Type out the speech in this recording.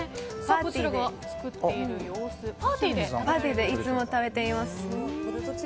パーティーでいつも食べています。